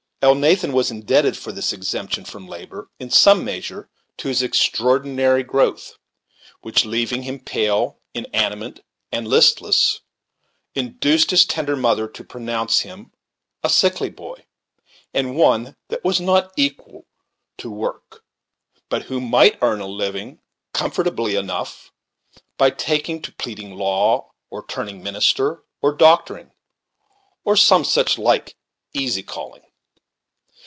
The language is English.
Elnathan was indebted for this exemption from labor in some measure to his extraordinary growth, which, leaving him pale, inanimate, and listless, induced his tender mother to pronounce him "a sickly boy, and one that was not equal to work, but who might earn a living comfortably enough by taking to pleading law, or turning minister, or doctoring, or some such like easy calling.'